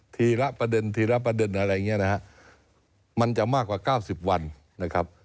ทีละประเด็นทีละประเด็นอะไรอย่างนี้นะครับมันจะมากกว่า๙๐วันนะครับ